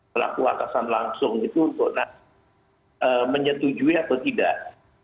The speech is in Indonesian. pelaku atasan langsung itu menyetujui atau tidak